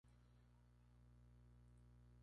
Colaboran en la construcción de su identidad.